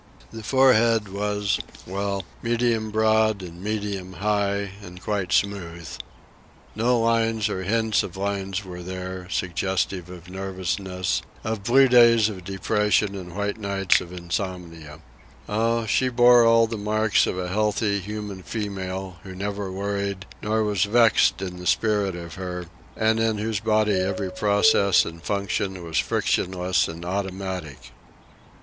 The forehead was, well, medium broad and medium high, and quite smooth. No lines nor hints of lines were there, suggestive of nervousness, of blue days of depression and white nights of insomnia. Oh, she bore all the marks of the healthy, human female, who never worried nor was vexed in the spirit of her, and in whose body every process and function was frictionless and automatic.